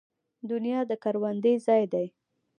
دنیا د کروندې ځای دی